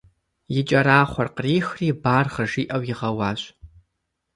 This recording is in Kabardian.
И кӏэрахъуэр кърихри «баргъэ» жиӏэу игъэуащ.